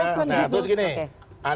nah terus gini